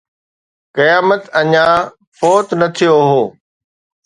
قيامت اڃا فوت نه ٿيو هو